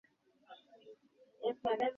আমি যা আশা করেছিলাম তা হয়নি।